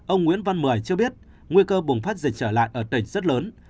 ông nguyễn văn mười cho biết nguy cơ bùng phát dịch trở lại ở tỉnh rất lớn